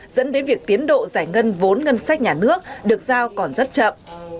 dẫn đến việc tiến độ giải ngân vốn ngân sách nhà nước được giao còn rất chậm